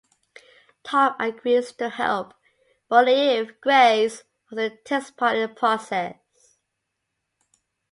Tom agrees to help, but only if Grace also takes part in the process.